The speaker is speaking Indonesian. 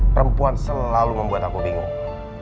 perempuan selalu membuat aku bingung